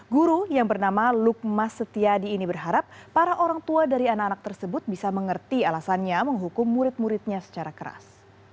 guru yang bernama lukmas setiadi ini berharap para orang tua dari anak anak tersebut bisa mengerti alasannya menghukum murid muridnya secara keras